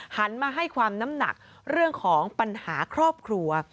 หันมาให้ความน้ำหนักเรื่องของปัญหาครอบครัว